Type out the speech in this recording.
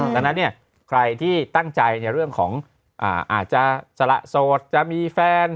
ดังนั้นเนี่ยใครที่ตั้งใจในเรื่องของอาจจะสละโสดจะมีแฟน